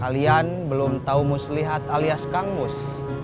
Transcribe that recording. kalian belum tahu muslihat alias kang mus